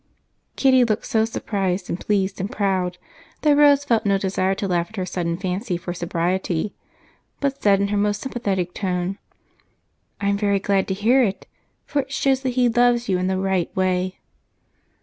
Kitty looked so surprised and pleased and proud that Rose felt no desire to laugh at her sudden fancy for sobriety but said in her most sympathetic tone: "I'm very glad to hear it, for it shows that he loves you in the right way."